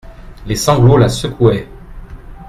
Les sanglots la secouaient.